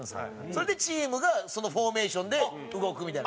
それで、チームがそのフォーメーションで動くみたいな。